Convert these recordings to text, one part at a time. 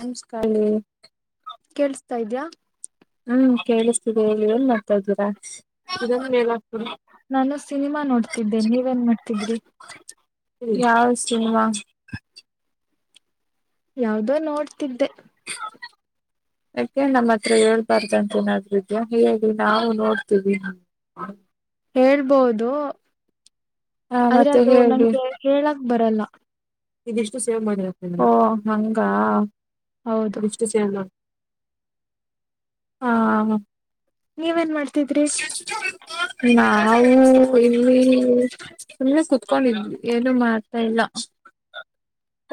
ನಮಸ್ಕಾರ ಕೇಳ್ಸ್ತಾ ಇದಿಯ ಹ್ಮ್ ಕೇಳಿಸ್ತಿದೆ ಹೇಳಿ ಏನ್ ಮಾಡ್ತ ಇದೀರಾ ನಾನು ಸಿನಿಮಾ ನೋಡ್ತಿದ್ದೆ ನೀವೇನ್ ಮಾಡ್ತಿದ್ರಿ [unintelligible] ಯಾವ ಸಿನಿಮಾ ಯಾವ್ದೋ ನೋಡ್ತಿದ್ದೆ [inaudible] ಯಾಕೆ ನಮ್ಮ ಹತ್ರ ಹೇಳ್ಬಾರ್ದಂತ ಏನಾದ್ರು ಇದಿಯ ಹೇಗೆ ನಾವು ನೋಡ್ತೀವಿ [inaudible] ಹೇಳ್ಬಹದು ಹ ಆದ್ರೆ ಮತ್ತೆ ಅದು ನಂಗೆ ಹೇಳಕ್ ಬರಲ್ಲ ಇದಿಷ್ಟು ಸೇವ್ ಮಾಡದ ಓ ಹಂಗ ಹೌದು ಇದಿಷ್ಟು ಸೇವ್ ಅಂ ಹಾ ನೀವ ಏನ್ ಮಾಡಿ ನಾ ನಾವು ಇಲ್ಲಿ ಸುಮ್ಮನೆ ಸುತ್ಕೊಂಡಿದ್ವಿ ಏನು ಮಾಡ್ತಾ ಇಲ್ಲ [inaudible]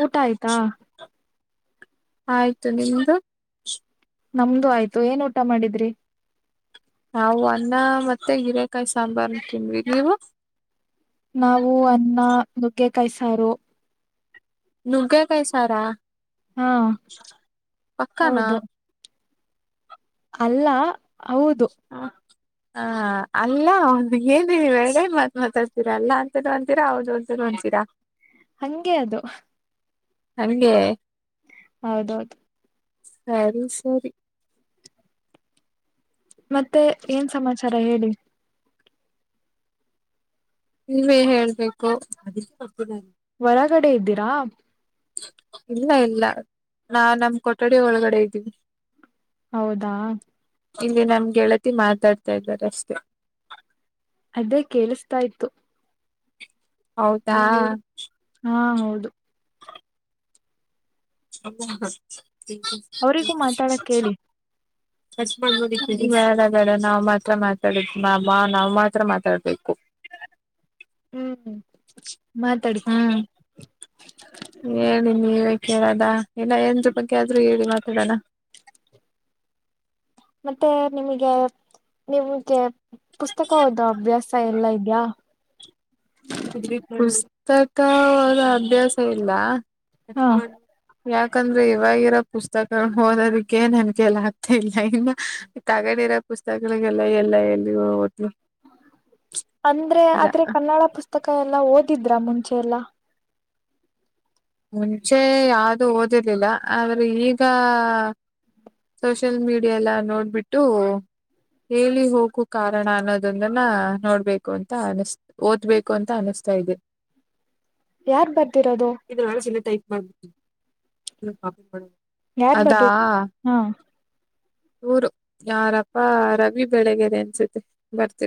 ಊಟ ಆಯ್ತಾ ಆಯ್ತು ನಿಮ್ದು ನಮ್ದು ಆಯ್ತು ಏನ್ ಊಟ ಮಾಡಿದ್ರಿ ನಾವು ಅನ್ನ ಮತ್ತೆ ಹೀರೆಕಾಯಿ ಸಾಂಬಾರ್ ತಿಂದ್ವಿ ನೀವು ನಾವು ಅನ್ನ ನುಗ್ಗೆ ಕಾಯಿ ಸಾರು ನುಗ್ಗೆ ಕಾಯಿ ಸಾರಾ ಹಾ ಪಕ್ಕಾನ ಹೌದು ಅಲ್ಲ ಹೌದು ಹಾ ಹ ಅಲ್ಲ ಒಂದು ಏನೆ ಎರಡು ಮಾತ್ ಮಾತಾಡ್ತೀರಾ ಅಲ್ಲಾ ಅಂತ ಅಂತೀರ ಹೌದು [unintelligible] ಚಿರಾ ಹಂಗೆ ಅದು ಹಂಗೆ ಹೌದೌದು ಸರಿ ಸರಿ ಮತ್ತೆ ಏನ್ ಸಮಾಚಾರ ಹೇಳಿ ನೀವೇ ಹೇಳ್ಬೇಕು ಕೆಗಡೆ ಇದ್ದೀರಾ ಇಲ್ಲ ಇಲ್ಲ ನಾ ನಮ್ ಕೊಠಡಿ ಒಳಗಡೆ ಇದ್ದೀವಿ ಹೌದಾ ಇಲ್ಲಿ ನಮ್ ಗೆಳತಿ ಮಾತಾಡ್ತಾ ಇದ್ದಾರೆ ಅಷ್ಟೇ ಅದೇ ಕೇೇಳಿಸತಾ ಇ್ತತ್ತು ಹೌದಾ ಹಾ ಹೌದು ಅ ಅವರಿಗೂ ಮಾತಾಡಕ್ ಹೇಳಿ ಹಚ್ ಮಾಡ್ಬೋದಿೇಡ ನಾವ್ ಮಾತ್ರ ಮಾತಾಡು ನಾವ್ ಮಾತ್ರ ಮಾತಾಡ್ಬೇಕು ಹ್ಮ್ ಮಾತಾಡಿ ಹ್ಮ್ ಹೇಳ ನೀ ದಾ ಇಲ್ಲ ಎನ್ ಬಗ್ಗೆ ಆದ್ರೂ ಹೇಳಿ ಮಾತಾಡೋಣ ಮತ್ತೆ ನಿಮಗೆ ನಿಮ್ಗೆ ಪುಸ್ತಕ ಓದೋ ಅಭ್ಯಾಸ ಎಲ್ಲಾ ಇದ್ಯಾ ಪುಸ್ತಕವ ಅಭ್ಯಾಸ ಇಲ್ಲ ಹಾ ಯಾಕಂದ್ರೆ ಇವಾಗಿರೋ ಪುಸ್ತಕಗಳು ಓದೋದಕ್ಕೆ ನನ್ಗೆೆ ಎಲ್ಲ ಆಗ್ತಾ ಇಲ್ಲ ಇನ್ನು ತಗಡೆ ರ ಪುಸ್ತಕಗಳಿಗೆಲ್ಲ ಎಲ್ಲ ಎಲ್ಲಿಓ ಅಂದ್ರೆ ಇಲ್ಲ ಆದ್ರೆ ಕನ್ನಡ ಪುಸ್ತಕ ಎಲ್ಲಾ ಓದಿದ್ರ ಮುಂಚೆ ಎಲ್ಲಾ ಮುಂಚೆ ಯಾವ್ದೂ ಓದಿರ್ಲಿಲ್ಲ ಆದ್ರೆ ಈಗ ಸೋಷಿಯಲ್ ಮೀಡಿಯಾ ಎಲ್ಲ ನೋಡ್ಬಿಟ್ಟು ಹೇಳಿ ಹೋಗು ಕಾರಣ ಅನ್ನೋದಂದನ ನೋಡ್ಬೇಕು ಅಂತ ಅನಸ್ ಓದ್ಬೇಕು ಅಂತ ಅನಸ್ತ ತ ಇದು ಯಾರ್ ಬರ್ತಿರೋದು ಇದನಲ್ಲ ಚಲ್ಲ ಟೈಪ್ ಮಾಡಂದ ಯಾರ್ ಅದಾ ಬರ್ದಿ ಹಾ ಊರು ಯಾರಪ್ಪ ರವಿ ಬೆಳಿಗರೆ ಅನ್ಸುತ್ತೆ ಬರ್ತ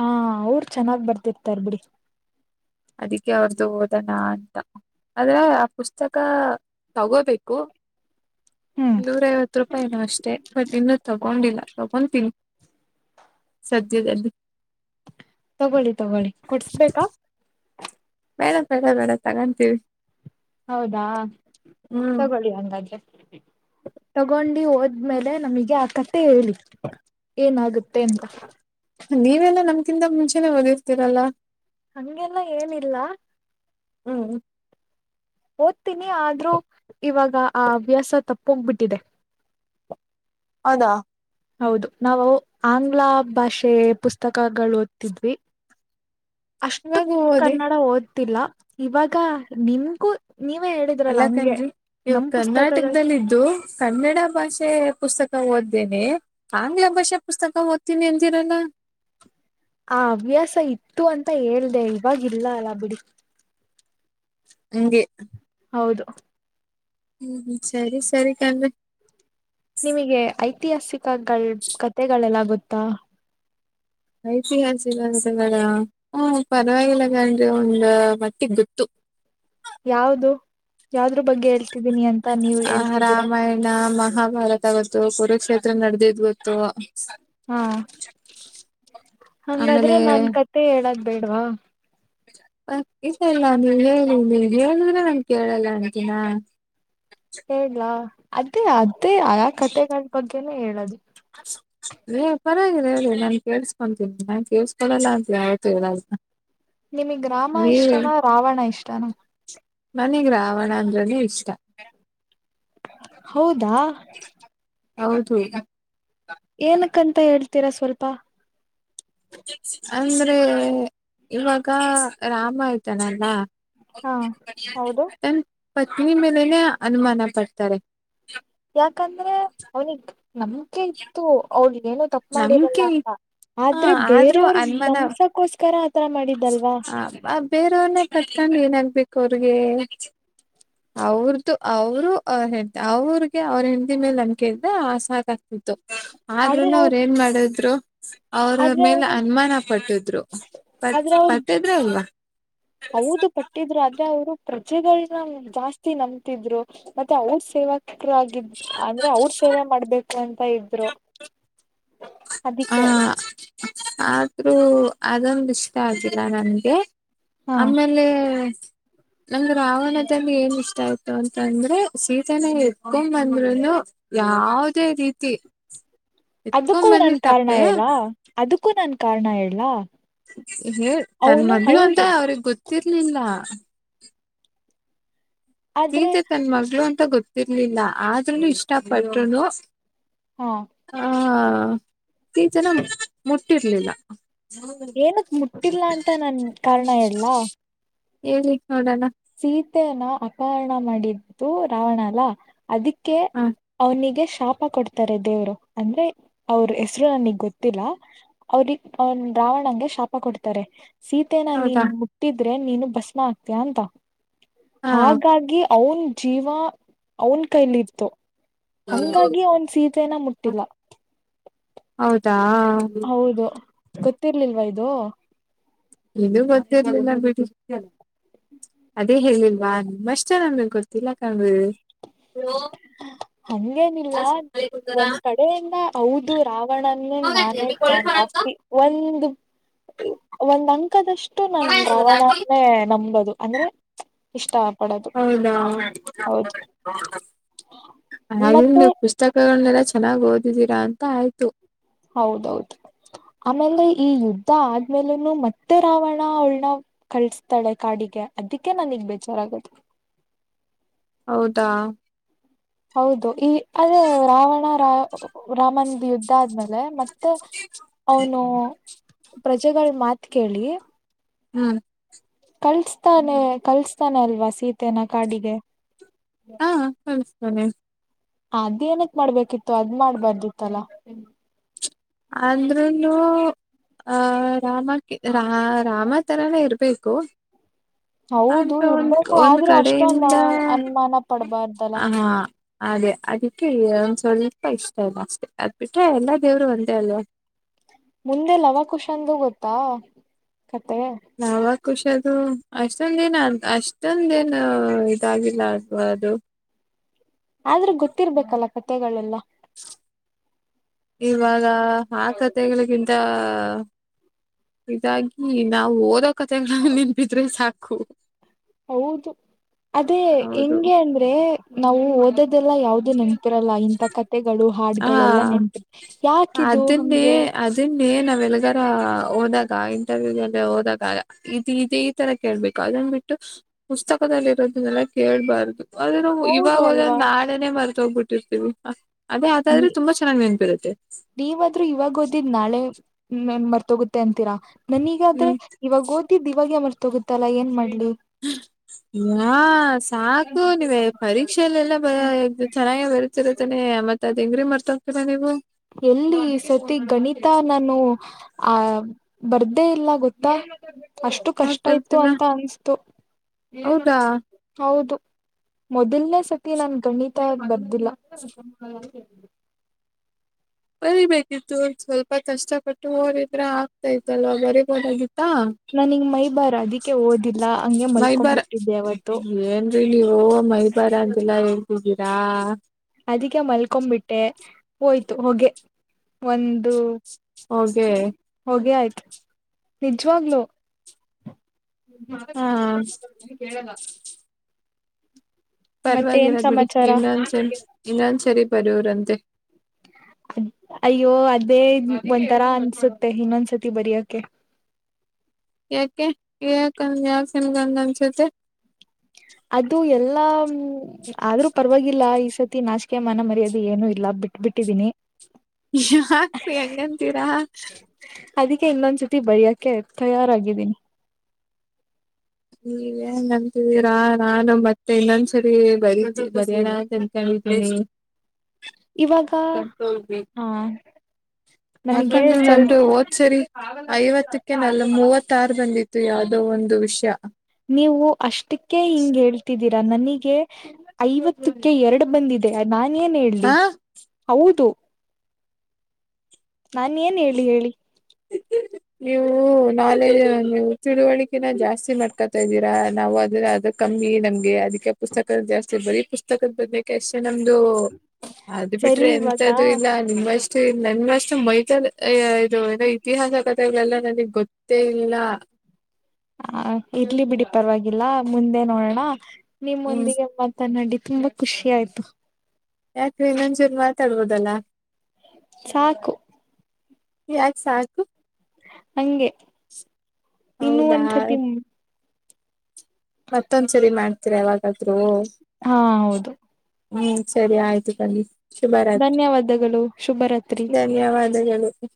ಹಾ ಊರ್ ಚೆನ್ನಾಗ್ ಬರ್ತಿರ್ತರ್ ಬಿಡಿ ಅದಕ್ಕೆ ಅವ್ರ್ದು ಹೋದಣ ಅಂತ ಆದ್ರೆ ಆ ಪುಸ್ತಕ ತಗೋಬೇಕು ಹ್ಮ್ ನೂರ ಐವತ್ತು ರೂಪಾಯಿನ ಅಷ್ಟೆ ಬಟ್ ಇನ್ನೂ ತಗೊಂಡಿಲ್ಲ ತಗೊತೀನಿ ಸದ್ಯದಲ್ಲಿ ತಗೊಳ್ಳಿ ತಗೊಳ್ಳಿ ಕುಡ್ಸ್ಬೇಕಾ ಬೇಡ ಬೇಡ ಬೇಡ ತಗೊಂತೀವಿ ಹೌದಾ ಹ್ಮ್ ತಗೊಳ್ಳಿ ಹಂಗಾದೆ ತಗೊಂಡಿ ಹೋದ್ಮೇಲೆ ನಮಗೆ ಆಕತ್ ಮತ್ತೆ ಹೇಳಿ ಏನಾಗುತ್ತೆ ಅಂತ ನೀವೆಲ್ಲಾ ನಮ್ಕಿಂತ ಮುಂಚೆನೆ ಓದಿರ್ತೀರಲ್ಲ ಹಂಗೆಲ್ಲ ಏನಿಲ್ಲ ಹ್ಮ್ ಓದ್ತೀನಿ ಆದ್ರೂ ಇವಾಗ ಆ ಹವ್ಯಾಸ ತಪ್ಪೋಗ್ಬಿಟ್ಟಿದೆ ಹೌದಾ ಹೌದು ನಾವು ಆಂಗ್ಲ ಭಾಷೆ ಪುಸ್ತಕಗಳು ಓದ್ತಿದ್ವಿ ಅಷ್ಟು ಇವಾಗ ಓದಿ ಕನ್ನಡ ಓದ್ತಿಲ್ಲ ಇವಾಗ ನಿಮ್ಗೂ ನೀವೇ ಹೇಳಿದ್ರಲ್ಲ ಹಂಗೆ ಅಲ್ಲಾಕನ್ರಿ ಇವ ನಮ್ ಪುಸ್ತಕಗಳು ಕರ್ನಾಟಕದಲ್ಲಿದ್ದು ಕನ್ನಡ ಭಾಷೆ ಪುಸ್ತಕ ಸ್ ಓದ್ನೆ ಆಂಗ್ಲ ಭಾಷೆ ಪುಸ್ತಕ ಓದ್ತೀನಿ ಎಂದಿರಲ್ಲ ಆ ಹವ್ಯಾಸ ಇತ್ತು ಅಂತ ಹೇಳ್ದ ಇವವಾಗಿಲ್ಲ ಅಲ್ಲ ಬಿಡಿ ಹಗೆ ಹೌದು ಹ್ಮ ಸರಿ ಸರಿ ಕಣ್ರೆ ನಿಮಗೆ ಐತಿಹಾಸಿಕ ಕತೆೆಗಳೆಲ್ಲ ಗೊತ್ತಾ ಐತಿಹಾಸಿಕ ಅಂತಗಳ ಹ ಪರವಾಗಿಲ್ಲ ಗನ್್ರಿ ಒಂದ ಮಟ್ಟಿಗೆ ಗೊತ್ತು [inaudible] ಯಾವ್ದ ಯಾವ್ದ್ರ ಬಗ್ಗೆ ಹೇಳ್ತಿದ್ದೀನಿ ಅಂತ ನೀವ್ ಆಹ ಹೇಳ್ತಿದ್ದೀರಾ ರಾಮಾಯಣ ಮಹಾಭಾರತ ಗೊತ್ತು ಕುರುಕ್ಷೇತ್ರ ನಡದಿದ್ ಗೊತ್ತು ಹಾ ಆಮೇಲೆ ಹಂಗಾದ್ರೆ ನನ್ ಕತೆ ಹೇಳದ ಬೇಡವಾ ಹ ಇಲ್ಲಾನ ಹೇಳಿ ಹೇಳಿದ್ರೆ ನನ್ ಕೇಳಲ್ಲ ಅಂತೀಿನ ಹೇಲಾ ಅದೇ ಅದೇ ಆ ಕಥೆಗಳ ಬಗ್ಗೆನೆ ಹೇಳದು ಏ ಪರಾಗಿದೆ ಹೇಳಿ ನಾನನ್ ಕೇಸ್ಕೊತೀನಿ ನಾನ್ ಕೇಳಸ್ಕೊಳಲ್ಲ ಅಂತ ಯಯತು ಹೇಳೆ ಹ ನಿಮಗ್ ಗ್ರಾಮ ಇಷ್ಟನಾ ರಾವಣ ಇಷ್ಟನಾ ಮನಗ್ ರಾವಣ ಅಂದ್ರನ ಇಷ್ಟ ಹೌದಾ ಹೌಗ ಏನಕ್ಕಂತ ಹೇಳ್ತೀರಾ ಸ್ವಲ್ಪ ಅಂದ್ರೆ ಇವಾಗ ರಾಮ ಆಯ್ತಾನಲ್ಲ ಹಾ ಹೌದು ಪತ್ನಿ ಮೇಲೇನೆೇ ಅನುಮಾನ ಪಡ್ತಾರೆ ಯಾಕಂದ್ರೆ ಅವ್ನಿಿಗೆ ನಮ್ಕೆ ಇತ್ತು ಅವಳಿಗೆ ಏನ ತಪ್ಪು ಮಾಡಿರಲ್ಲ ನಂಬಿಕೆ ಅಂತ ಹಾ ಆದ್ರೆ ಆದ್ರೂ ಬೇರೆಯವ್ರ ಅನುಮಾನ ನಮಸಕೋಸ್ಕರ ಹ ಬೇರೆಯವ್ರನ್ನ ಕರ್ಕೊಂಡ್ ಏನಾಗ್ಬೇಕು ಅವ್ರಿಗೆ ಅವ್ರ್ದು ಅವರು ಹೆ ಅವ್ರಿಗೆ ಅವ್ರ ಹೆದಿ ಮೇಲೆ ಅಂಕ ಇದ್ರ ಸಾಕ ಆತದೆ ಹೌದು ಆದ್ರೂನು ಅವ್ರ ಏನ್ ಮಾಡಿದ್ರು ಅವರ ಆದ್ರೆ ಮೇಲೆ ಅವರು ಅನುಮಾನ ಪಟ್ಟಿದ್ರು ಪಟ್ ಆದ್ರೆ ಅವ್ರು ಪಟ್ಟಿದ್ರೆ ಅಲ್ವಾ ಹೌದು ಪಟ್ಟಿದ್ರು ಆದ್ರೆ ಅವ್ರು ಪ್ರಜೆಗಳನ್ನ ಜಾಸ್ತಿ ನಂಬತಿದ್ರು ಮತ್ತೆ ಅವ್ರ ಸೇವಕರಾಗಿದ ಅಂದ್ರೆ ಅವ್ರ ಸೇವೆ ಮಾಡ್ಬೇಕು ಅಂತ ಇದ್ರು ಆ ಅದಕ್ಕೆ ಆದ್ರೂ ಅದೊಂದು ಇಷ್ಟ ಆಗಿಲ್ಲ ನನ್ಗೆ ಹಾ ಆಮೇಲೆ [inaudible] ನಮ ರಾವಣದಲ್ಲಿ ಏನ್ ಇಷ್ಟ ಆಯ್ತು ಅಂತಂದ್ರೆ ಶೀತನ ಎತ್ಕೊ ಅಂದ್ರುನು ಯಾವುದೇ ರೀತಿ ಅದಕ್ಕೂ ಎತ್ಕೊಂಡ್ ನನ್ ಬಂದಿದ್ ಕಾರಣ ತಪ್ಪೆ ಹೇಳಾ ಅದಕ್ಕೂ ನನ್ ಕಾರಣ ಹೇಳಳ್ಲ್ಲಾ ಹೇ ತನ್ ಮದುವ ಅಂತ ಅವ್ರಗ್ ಗೊತ್ತಿರ್ಲಿಲ್ಲ ಆದ್ರೆ ಸೀತೆ ತನ್ ಮಗಳು ಅಂತ ಗೊತ್ತಿರ್ಲಿಲ್ಲ ಆದ್ರೂ ಇಷ್ಟಪಟ್ರುನು ಹಾ ಹ ಈ ಜನ ಮುಟ್ಟಿರ್ಲಿಲ್ಲ ಏನದ ಮುಟ್ಟಿಲ್ಲ ಅಂತ ನನ್ ಕಾರಣ ಎಲ್ಲಾ ಎಳ್ಕ್ ನೋಡೋಣ ಸೀತನ ಅಪಹರಣ ಮಾಡಿದ್ದು ರಾವಣ ಅಲ್ಲ ಅದಕ್ಕೆ ಹ ಅವನಿಗೆ ಶಾಪ ಕೊಡ್ತಾರೆ ದೇವ್ರು ಅಂದ್ರೆ ಅವ್ರ ಹೆಸರು ನನಗ್ ಗೊತ್ತಿಲ್ಲ ಅವ್ರಿಗೆ ಅವ ರಾವಣಂಗೆ ಶಾಪ ಕೊಡ್ತಾರೆ ಸೀತನ ನೀನ್ ಹೌದಾ ಮುಟ್ಟಿದ್ರೆ ನೀನು ಭಸ್ಮ ಆಾಕ್ತಯ ಅಂತ ಹಾ ಹಾಗಾಗಿ ಅವನ್ ಜೀವ ಅವನ ಕೈಲಿತ್ತು ಹಂಗಾಗಿ ಅವನ್ ಸೀತನ ಮುಟ್ಟಿಲ್ಲ ಹೌದಾ ಹೌದು ಗೊತ್ತಿರ್ಲಿಲ್ವಾ ಇದು ಇದು ಮತ್ತೆಲ್ಲ ಬಿಟ್ಟಿ ಅದೇ ಹೇಳಿಲ್ವಾ ನಿಮ್ಮಷ್ಟೇ ನಮಗ್ ಗೊತ್ತಿಲ್ಲ ಕಣು ಹಲೋ ಹಂಗೇನಿಲ್ಲ ಒಂದ್ ಕಡೆಯಿಂದ ಹೌದು ರಾವಣನೇ ನಾನೇ ನಾನ್ ಜಾಸ್ತಿ ಒಂದು ಒಂದ್ ಅಂಕದಷ್ಟು ನನ್ ರಾವಣನ್ನೇ ನಂಬೋದು ಅಂದ್ರೆ ಇಷ್ಟ ಪಡೋದು ಹೌದಾ ಹೌದು ಹಾಗ ಮತ್ತೆ ನೀವು ಪುಸ್ತಕಗಳನ್ನೆ ಚೆನ್ನಾಗ್ ಓದಿದ್ದೀರಾ ಅಂತ ಆಯ್ತು ಹೌದೌದು ಆಮೇಲೆ ಈ ಯುದ್ಧ ಆದ್ಮೇಲನು ಮತ್ತೆ ರಾವಣ ಅವಳನ ಕಳಸ್ತಾಳೆ ಕಾಡಿಗೆ ಅದಕ್ಕೆ ನನ್ಗ್ ಬೇಜಾರ್ ಆಗತ್ ಹೌದಾ ಹೌದು ಈ ಅದೇ ರಾವಣ ರಾ ರಾಮನ್ ಯುದ್ಧ ಆದ್ಮೇಲೆ ಮತ್ತೆ ಅವನು ಪ್ರಜೆಗಳ ಮಾತ್ ಕೇಳಿ ಹ್ಮ್ ಕಳ್ಸ್ತಾನೆ ಕಲ್ಸ್ತಾನೆ ಅಲ್ವಾ ಸೀತನ ಕಾಡಿಗೆ ಹ್ಮ ಅದ್ ಏನಕ್ ಮಾಡ್ಬೇಕಿತ್ತು ಅದ್ ಮಾಡ್ಬಾರ್ದಿತ್ತಲ್ಲ ಅಂದ್ನು ಆಹ ರಾಮಕ್ಕೆ ರಾ ರಾಮ ತರನ ಇರ್ಬೇಕು ಕ ಹೌದು ಅಂತ ಒಂದ ಇರ್ಬೇಕು ಒಂದ್ ಆದ್ರೂ ಅಷ್ಟೊಂದ ಕಡೆಯಿಂದ ಅನುಮಾನ ಪಡ್ಬಾರ್ದಲ್ಲ ಹಾ ಹಾಗೆ ಅದಕ್ಕೆ ಒಂದ ಸ್ವಲ್ಪ ಇಷ್ಟ ಇಲ್ಲ ಅಷ್ಟೆ ಅದ್ ಬಿಿಟ್ರೆ ಎಲ್ಲಾ ದೇವರು ಒಂದೇ ಅಲ್ವಾ ಮುಂದೆ ಲವಖುಷಂದು ಗೊತ್ತಾ ಕತೆ ಖುಷ ಅದು ಅಷ್ಟೊಂದ ದಿನ ಅ ಅಷ್ಟೊಂದ ದಿನ ಇದಾಗಿಲ್ಲ ಅದು ಆದ್ರೂ ಗೊತ್ತಿರ್ಬೇಕಲ್ಲ ಕತೆಗಳೆಲ್ಲ ಇವಾಗ ಆ ಕತೆಗಳಿಗಿಂತ ಹ ಇದಾಗಿ ನಾವು ಓದೋಕಥಂಗ ನಿನ್ಬಿದ್ರೆ ಸಾಕು ಹೌದು ಅದೇ ಹೌದು ಹೆಂಗೆ ಅಂದ್ರೆ ನಾವು ಓದದ ಇದೆಲ್ಲಾ ಯಾವವುದುು ನೆಪಿರಲ್ಲ ಇಂತಥ ಕಥೆಗಳು ಹಾಡ್ಗಳೆಲ್ಲ ಆ ನೆನ್ಪ ಯಾಕಿದು ಹಂಗೆ ಏನ್ ನಾವೆಲ್ಲದಾರ ಹೋದಾಗ ಇಂಟರ್ವ್ಯೂಲ್ಲ ಹೋದಾಗ ಇದು ಇ ಈ ತರ ಕೇಳ್ಬೇಕು ಬಿಟ್ಟು ಪುಸ್ತಕದಲ್ಲಿ ಇರೋದನ್ನೆಲ್ಲ ಕೇಳ್ಬಾರ್ದು ಅದ ಹೌದು ಇವಾಗೋದ ಅಲ್ವಾ ನಾಳನೇ ಮರ್ತ ಹೋಗ್ಬಿಟ್ಟಿರ್ತಿವಿ ನೀ ನೀವಾದ್ರೂ ಇವಾಗ ಓದಿದ್ ನಾಳೆ ನ್ ಮರ್ತೋಗುತ್ತೆ ಅಂತೀರಾ ನನ್ಗಾದ್ರೆ ಹ್ಮ್ ಇವಾಗ ಓದಿದ್ದ್ ಇವಾಗ ಮರ್ತೋಗುತ್ತಲ್ಲಾ ಏನ್ ಮಾಡ ಹ್ಮ್ ಹಾ ಸಾಕು ನೀವ ಪರೀಕ್ಷಲ್ಲೆಲ್ಲ ಬ ಚೆನ್ನಾಗೆ ಬರುತಿರುತ್ತಾನೆ ಮತ್ತತ್ ಅದ ಹೆಂಗ್ರೀ ಮರ್ತ ಹ್ತೀರಾ ನೀವು ಎಲ್ಲಿ ಸತಿ ಗಣಿತ ನಾನು ಆ ಬರ್ದೇ ಇಲ್ಲ ಗೊತ್ತಾ ಅಷ್ಟು ಯಾಕ್ ಕಷ್ಟ ಇತ್ತು ಬರ್ತಿಲ್ಲ ಅಂತ ಅನ್ಸತು ಹೌದಾ ಹೌದು ಮೊದಲ್ನೇ ಸತಿ ನನ್ [unintelligible] ಬಂದಿಲ್ಲ ಬರಿಬೇಕಿತ್ತು ಸ್ವಲ್ಪ ಕಷ್ಟಪಟ್ಟು ಹೋರಿದ್ರೆ ಆಗ್ತಾ ಇತ್ತಲ್ವಾ ಬರಿಬೋದಾಗಿತ್ತು ನಾನಿಂಗ ಮೈ ಬಾರ್ ಅದಕ್ಕೆ ಓದಿಲ್ಲ ಹಂಗೆ ಮಲ್ಕೊ್ಬಿಟ್ಟಿದ್ದೆ ಅವಾವತ್ತು ನೀವೋ ಮೈಬಾರ ಅಂತೆಲ್ಲಾ ಹೇಳ್ತಿದ್ದೀರಾ ಅದಕ್ಕೆ ಮಲ್ಕೊಬಿಟ್ಟೆ ಹೋಯ್ತು ಹೊಗೆ ಒಂದು ಹೋಗೆ ನಿಜ್ವಾಗ್ಲೋ ಹಾ ಕೇಳದಾಗ್ತದೆ ಪರವಾಗಿರ ಬಿಡಿ ಸಮಾಚಾರ ಇನ್ನನ್ ಇನ್ನನ್ ಸರಿ ಬರೋವರಂತೆ ಅದ್ ಅಯ್ಯೋ ಅದೇ ಒಂಥರಾ ಅನ್ಸುತ್ತೆ ಇನ್ನೊಂದ್ಸತಿ ಬರಿಯಕೆ ಯಾಕೆ ಈ ಕನ್ಯ ನಿಮ್ಗೆ ಆಗನಿಸುತ್ತೆ ಅದು ಎಲ್ಲಾ ಆದ್ರೂ ಪರವಾಗಿಲ್ಲ ಈ ಸತಿ ನಾಚಿಕೆ ಮನ ಮರ್ಯಾದೆ ಏನು ಇಲ್ಲ ಬಿಟ್ ಬಿಟ್ಟಿಡಿನಿ ಯಾಕ್ರೀ ಹಂಗಂತೀರಾ ಅದಕ್ಕೆ ಇನ್ನೊಂದ್ಸತಿ ಬರಿಯಕೆ ತಯಾರಾಗಿದ್ದೀನಿ ನೀೇನ್ ಅಂತಿದೀರಾ ನಾನು ಮತ್ತೆ ಇನ್ನೊಂದ್ಸರಿ ಬರೀತ ಬರೋಣ ಅಂತ ಅನ್ಕೊಂಡಿನಿ ಇವಾಗ ಹಾ ನಮಗೆ ಯಾಕಂದ್ರೆ ಸ್ವಲ್ಪ ನಂದೂ ಹೋದ್ಸರಿ ಐವತ್ತಕ ನಲ್ಲ ಮೂವತ್ತ ಆಾರ ಬಂದಿತ್ತು ಯಾವದೋ ಒಂದು ವಿಷಯ ನೀವು ಅಷ್ಟಕ್ಕೆ ಹಿಂಗ ಹೇಳ್ತಿದ್ದೀರಾ ನನಗೆ ಐವತ್ತಕ್ಕೆ ಎರಡು ಬಂದಿದೆ ನಾನ ಏನ್ ಹೇಳಿ ಹಾ ಹೌದು ನಾನ ಏನ್ ಹೇಳಿ ಹೇಳಿ ಎ ನೀವು ನಾಲೆ ನೀವು ತಿಳುವಳಿಕೆನ ಜಾಸ್ತಿ ಮಾಡ್ಕೊತಾ ಇದ್ದೀರಾ ನಾವು ಅದನ್ನ ಅದ ಕಮ್ಮಿ ನಮ್ಗೆ ಅದಕ್ಕೆ ಪುಸ್ತಕದ ಜಾಸ್ತಿ ಬರೀ ಪುಸ್ತಕದ ಬದನೆಕಾಯಿ ಎಷ್ಟ ನಮ್ದು ಅದು ಬಿಟ್ರೆ ಸರಿ ಇವಾಗ ಎಂತ್ದು ಇಲ್ಲ ನಿಮ್ಮಷ್ಟೆ ನಿಮ್ ಅಷ್ಟು ಮೈತಲ್ ಇದು ಏನೋ ಇತಿಹಾಸ ಕಥೆಗಳೆಲ್ಲ ನನಗ್ ಗೊತ್ತ ಮತ್ತೇ ಇಲ್ಲ ಹ ಇರ್ಲಿ ಬಿಡಿ ಪರವಾಗಿಲ್ಲ ಮುಂದೆ ನೋಡೋಣ ನಿಮ್ಮ ಹ್ಮ್ ಮುಂದಿಗೆ ಮಾತ ನಾಡಿ ತುಂಬಾ ಖುಷಿ ಆಯ್ತು ಯಾಕೆ ಇನ್ನಂಜೂನ್ ಮಾತಾಡ್ಬೋದಲ್ಲ ಸಾಕು ಯಾಕ್ ಸಾಕು ಹಂಗೆ ಇನ್ನುೂ ಹೌದಾ ಒನ್ ಥರ್ಟಿ ಮತ್ತೊಂದ್ಸರಿ ಮಾಡ್ತೀರಾ ಯಾವಾಗಾದ್ರೂ ಹಾ ಹೌದು ಹೂ ಸರಿ ಆಯ್ತು ಬನ್ನಿ ಶುಭರಾತ್ರಿ ಧನ್ಯವಾದಗಳು ಶುಭರಾತ್ರಿ. ಧನ್ಯವಾದಗಳು ಹು